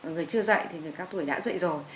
người chưa dậy thì người cao tuổi đã dậy rồi